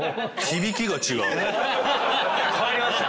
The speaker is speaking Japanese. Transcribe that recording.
変わりました